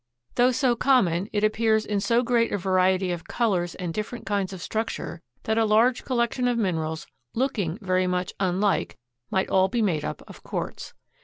Though so common, it appears in so great a variety of colors and different kinds of structure that a large collection of minerals looking very much unlike might all be made up of Quartz.